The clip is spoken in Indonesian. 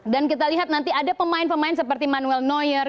kita lihat nanti ada pemain pemain seperti manuel knowyer